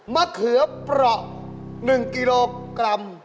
มะเขือเปราะ๑กิโลกรัม